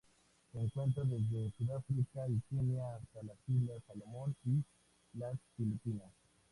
Se encuentra desde Sudáfrica y Kenia hasta las Islas Salomón y las Filipinas.